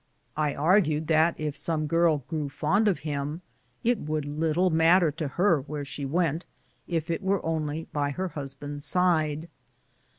I argued that if some girl grew fond of him, it would little mat ter to her where she went, if it were only by her hus band's side.